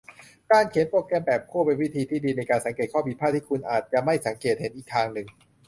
การเขียนโปรแกรมแบบคู่เป็นวิธีที่ดีในการสังเกตข้อผิดพลาดที่คุณอาจจะไม่สังเกตเห็นอีกทางหนึ่ง